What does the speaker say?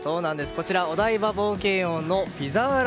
こちら、お台場冒険王のピザーラ